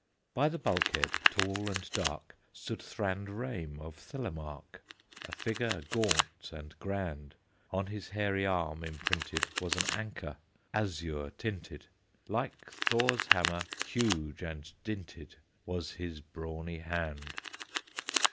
By the bulkhead, tall and dark, Stood Thrand Rame of Thelemark, A figure gaunt and grand; On his hairy arm imprinted Was an anchor, azure tinted; Like Thor's hammer, huge and dinted Was his brawny hand.